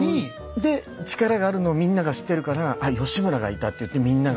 で力があるのをみんなが知ってるからあ義村がいたっていってみんなが。